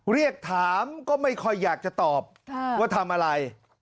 เรียกถามก็ไม่ค่อยอยากจะตอบว่าทำอะไร